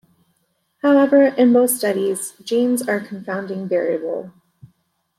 However, in most studies, genes are a confounding variable.